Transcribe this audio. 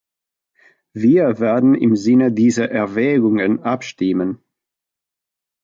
Wir werden im Sinne dieser Erwägungen abstimmen.